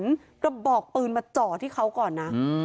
มีประบอกปืนมาเจาะที่เขาก่อน